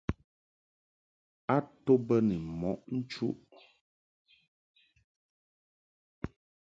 A to bə ni mɔʼ nchuʼ.